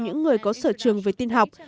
những người có sở trường về tin học